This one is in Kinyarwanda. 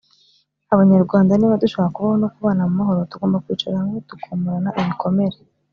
Abanyarwanda niba dushaka kubaho no kubana mu mahoro tugomba kwicara hamwe tukomorana ibikomere.